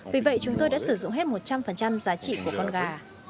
vì vậy chúng tôi đã sử dụng hết một trăm linh giá trị của con gà